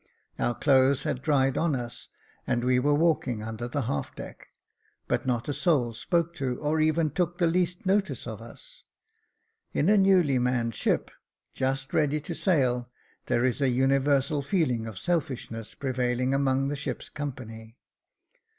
Our clothes had dried on us, and we were walking under the half deck : but not a soul spoke to, or even took the least notice of us. In a newly manned ship just ready to sail, there is a universal feeling of selfishness prevailing among the ship's company.